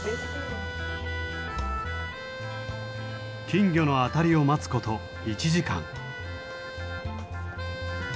金魚のあたりを待つこと１時間。